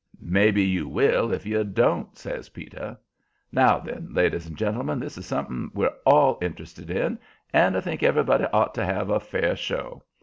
"Maybe you will if you don't," says Peter. "Now, then, ladies and gentlemen, this is something we're all interested in, and I think everybody ought to have a fair show.